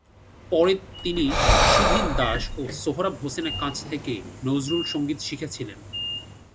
পরে তিনি সুধীন দাশ ও সোহরাব হোসেনের কাছ থেকে নজরুল সংগীত শিখেছিলেন।